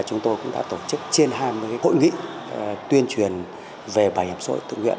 chúng tôi cũng đã tổ chức trên hai mươi hội nghị tuyên truyền về bảo hiểm xã hội tự nguyện